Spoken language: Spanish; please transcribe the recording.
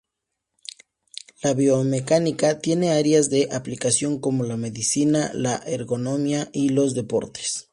La biomecánica tiene áreas de aplicación como la medicina, la ergonomía y los deportes.